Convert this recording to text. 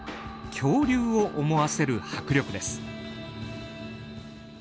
恐竜を思わせる迫力です。